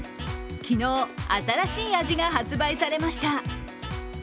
昨日、新しい味が発売されました。